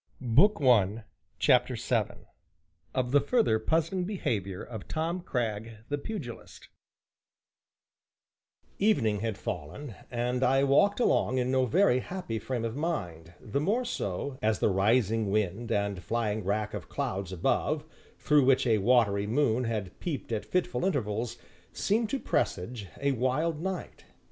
CHAPTER VII OF THE FURTHER PUZZLING BEHAVIOR OF TOM CRAGG, THE PUGILIST Evening had fallen, and I walked along in no very happy frame of mind, the more so, as the rising wind and flying wrack of clouds above (through which a watery moon had peeped at fitful intervals) seemed to presage a wild night.